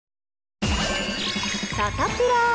サタプラ。